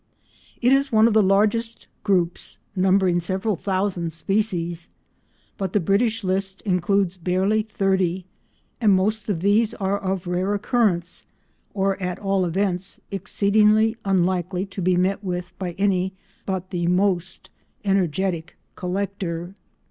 ] It is one of the largest groups, numbering several thousand species, but the British list includes barely thirty, and most of these are of rare occurrence, or at all events exceedingly unlikely to be met with by any but the most energetic collector.